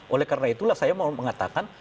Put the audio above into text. oleh karena itulah saya mau mengatakan